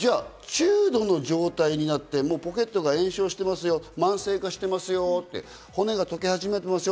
重度の状態になって、ポケットが炎症してますよ、慢性化してますよって、骨が溶け始めてます